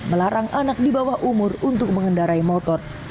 melarang anak di bawah umur untuk mengendarai motor